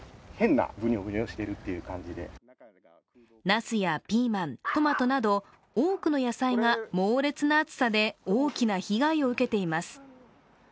なすやピーマン、トマトなど、多くの野菜が猛烈な暑さで大きな被害を受けています。